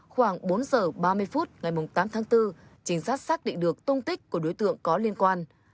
khoảng bốn giờ ba mươi phút ngày tám tháng bốn trinh sát xác định được tung tích của đối tượng có liên quan